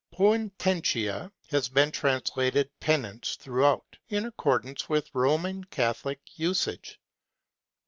Poenitentia has been translated penance throughout, in accordance with Roman Catholic usage.